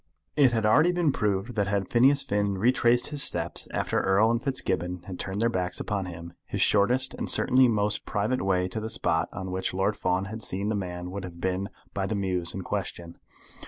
It had already been proved that had Phineas Finn retraced his steps after Erle and Fitzgibbon had turned their backs upon him, his shortest and certainly most private way to the spot on which Lord Fawn had seen the man would have been by the mews in question.